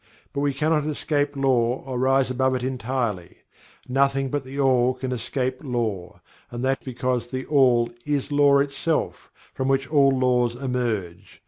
But we cannot escape Law or rise above it entirely. Nothing but THE ALL can escape Law and that because THE ALL is LAW itself, from which all Laws emerge.